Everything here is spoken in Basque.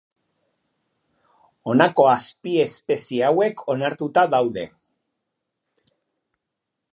Honako azpiespezie hauek onartuta daude.